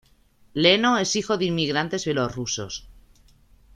Leno es hijo de inmigrantes bielorrusos.